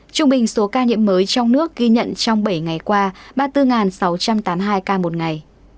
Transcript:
trung bình số ca nhiễm mới trong nước ghi nhận trong bảy ngày qua ba mươi bốn sáu trăm tám mươi hai ca một ngày